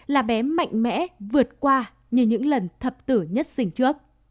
là bé mạnh mẽ vượt qua như những lần thập tử nhất sinh trước